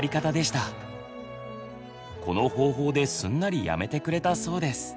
この方法ですんなりやめてくれたそうです。